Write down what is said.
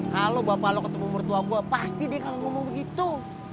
kalau bapak lo ketemu mertua gue pasti dia akan ngomong gitu